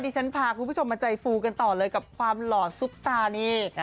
ที่ฉันพาคุณผู้ชมมาใจฟูกันต่อเลยกับความหล่อซุปตานี่